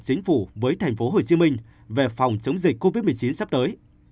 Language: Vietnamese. chính phủ với tp hcm về phòng chống dịch covid một mươi chín sắp tới